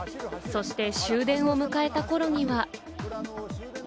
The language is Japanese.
そして終電を迎えた頃には。